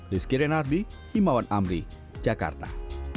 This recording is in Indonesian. rizky renardi himawan amri jakarta